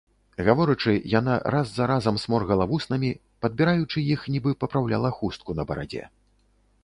Гаворачы, яна раз за разам сморгала вуснамі, падбіраючы іх, нібы папраўляла хустку на барадзе.